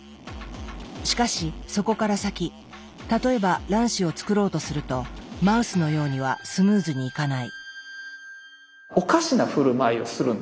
しかしそこから先例えば卵子を作ろうとするとマウスのようにはスムーズにいかない。